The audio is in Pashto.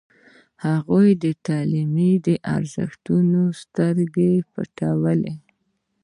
هغوی د تعلیم د ارزښت سترګې پټولې.